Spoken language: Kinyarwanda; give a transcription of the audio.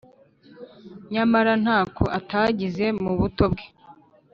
nyamara ntako atagize mu buto bwe